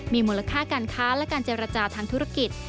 มีมูลค่าการค้าและการเจรจาทางธุรกิจ